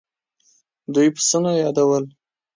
دوی پسونه يادول.